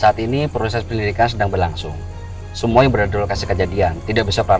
saat ini proses penyelidikan sedang berlangsung semua yang berada lokasi kejadian tidak bisa